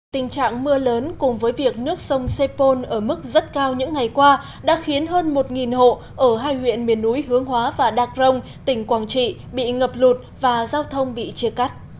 tình trạng mưa lớn cùng với việc nước sông sepol ở mức rất cao những ngày qua đã khiến hơn một hộ ở hai huyện miền núi hướng hóa và đạc rồng tỉnh quảng trị bị ngập lụt và giao thông bị chia cắt